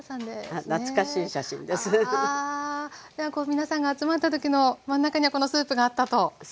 ではこう皆さんが集まった時の真ん中にはこのスープがあったということですか。